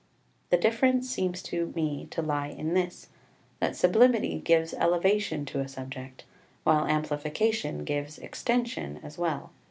The difference seems to me to lie in this, that sublimity gives elevation to a subject, while amplification gives extension as well.